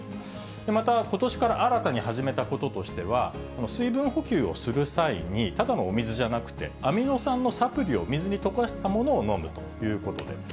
また、ことしから新たに始めたこととしては、水分補給をする際に、ただのお水じゃなくて、アミノ酸のサプリを水に溶かしたものを飲むということで。